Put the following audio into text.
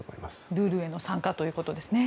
ルールへの参加ということですね。